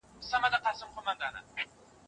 بحرونه به د تودوخې له امله وچیږي.